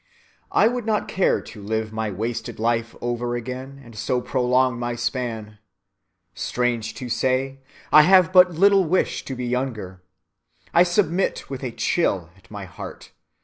I would not care to live my wasted life over again, and so to prolong my span. Strange to say, I have but little wish to be younger. I submit with a chill at my heart.